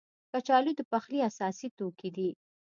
کچالو د پخلي اساسي توکي دي